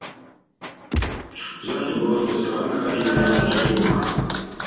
Зашто госпа Станка има надут трбух?